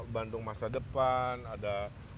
bandung masa depan ada